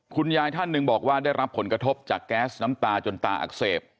ท่านหนึ่งบอกว่าได้รับผลกระทบจากแก๊สน้ำตาจนตาอักเสบ